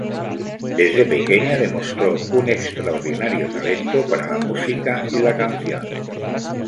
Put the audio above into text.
Desde pequeña demostró un extraordinario talento para la música y la canción.